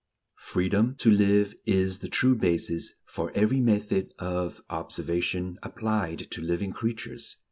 Freedom to live is the true basis for every method of observation applied to living creatures.